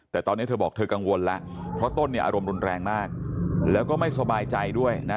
แต่ตอนนี้เธอบอกเธอกังวลแล้วเพราะต้นเนี่ยอารมณ์รุนแรงมากแล้วก็ไม่สบายใจด้วยนะ